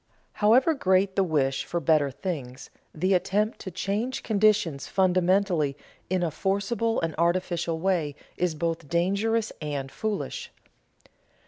However great the wish for better things, the attempt to change conditions fundamentally in a forcible and artificial way is both dangerous and foolish.